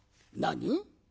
何？